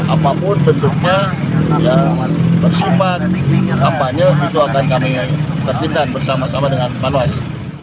apapun bentuknya yang bersifat kampanye itu akan kami tertibkan bersama sama dengan panwas